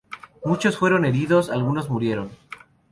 Muchos fueron heridos, algunos murieron.